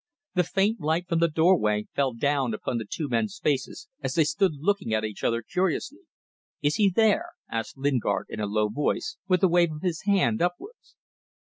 The faint light from the doorway fell down upon the two men's faces as they stood looking at each other curiously. "Is he there?" asked Lingard, in a low voice, with a wave of his hand upwards.